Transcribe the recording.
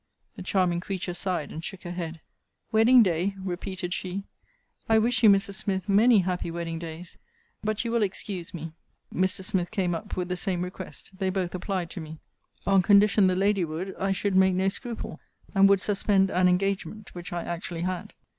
The charming creature sighed, and shook her head. Wedding day, repeated she! I wish you, Mrs. Smith, many happy wedding days! But you will excuse me. Mr. Smith came up with the same request. They both applied to me. On condition the lady would, I should make no scruple; and would suspend an engagement: which I actually had.